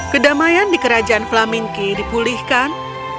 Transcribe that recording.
kedamaian di kerajaan flaminki dipulihkan